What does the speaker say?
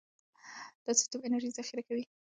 دا سیستم انرژي ذخیره کوي.